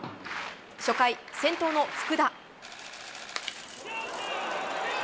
初回、先頭の福田。